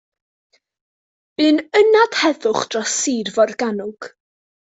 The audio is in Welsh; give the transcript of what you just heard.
Bu'n ynad heddwch dros Sir Forgannwg.